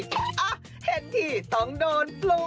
อ้าเห็นที่ต้องโดนปลุก